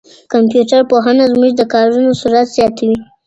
کمپيوټر پوهنه زموږ د کارونو سرعت زیاتوي.